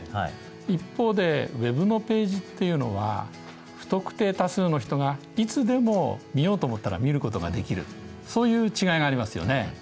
一方でＷｅｂのページっていうのは不特定多数の人がいつでも見ようと思ったら見ることができるそういう違いがありますよね。